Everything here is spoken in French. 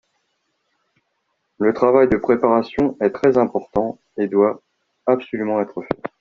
Le travail de préparation est très important et doit absolument être fait